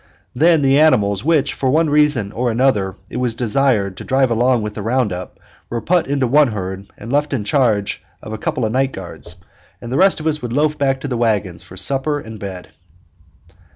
Then the animals which for one reason or another it was desired to drive along with the round up were put into one herd and left in charge of a couple of night guards, and the rest of us would loaf back to the wagon for supper and bed.